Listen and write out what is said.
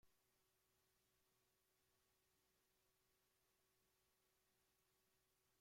Hay casos en los que se da el parecido entre dos personajes relevantes.